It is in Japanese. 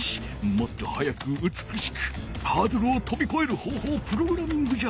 もっとはやくうつくしくハードルをとびこえるほうほうをプログラミングじゃ！